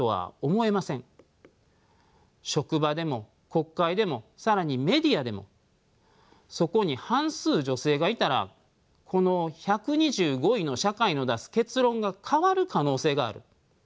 職場でも国会でも更にメディアでもそこに半数女性がいたらこの１２５位の社会の出す結論が変わる可能性がある。